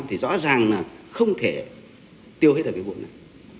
thì rõ ràng là không thể tiêu hết được cái vụ này